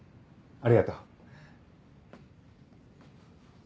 ありがとう。